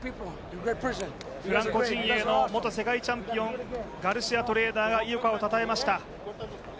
フランコ陣営の元世界チャンピオン、ガルシアトレーナーが井岡を称えました。